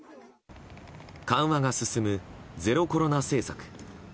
緩和が進むゼロコロナ政策。